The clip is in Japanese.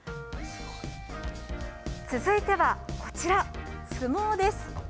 続いてはこちら、相撲です。